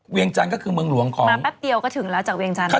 จันทร์ก็คือเมืองหลวงของมาแป๊บเดียวก็ถึงแล้วจากเวียงจันทร์